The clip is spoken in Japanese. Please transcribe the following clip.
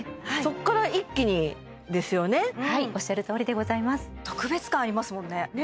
そっから一気にですよねはいおっしゃるとおりでございます